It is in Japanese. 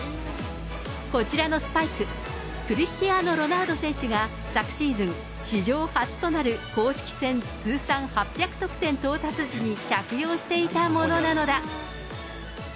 こちらのスパイク、クリスティアーノ・ロナウド選手が昨シーズン、史上初となる公式戦通算８００得点到達時に着用していたものなのだ。